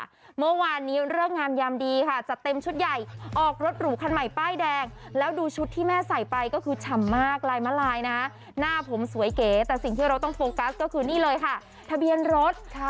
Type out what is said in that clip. เมื่อวานนี้เลิกงามยามดีค่ะจัดเต็มชุดใหญ่ออกรถหรูคันใหม่ป้ายแดงแล้วดูชุดที่แม่ใส่ไปก็คือฉ่ำมากลายมาลายนะหน้าผมสวยเก๋แต่สิ่งที่เราต้องโฟกัสก็คือนี่เลยค่ะทะเบียนรถ